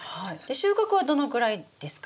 収穫はどのくらいですか？